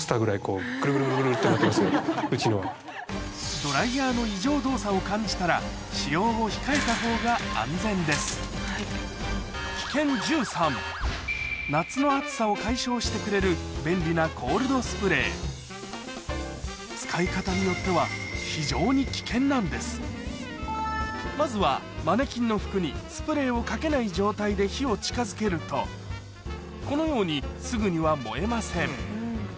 ドライヤーの異常動作を感じたら使用を控えたほうが安全です夏の暑さを解消してくれる便利なまずはマネキンの服にスプレーを掛けない状態で火を近づけるとこのようにすぐには燃えません